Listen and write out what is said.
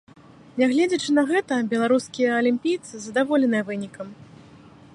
Нягледзячы на гэта, беларускія алімпійцы задаволеныя вынікам.